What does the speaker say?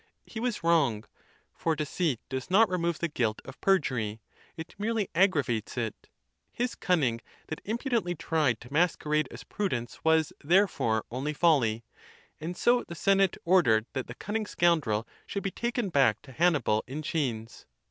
He was wrong; for deceit does not remove the guilt of perjury — it merely aggravates it. His cunning that impudently tried to masquerade as prudence The ancient was, therefore, only folly. And so the senate ^1°^!" ordered that the cunning sco"ndrel should be taken back to Hannibal in chains.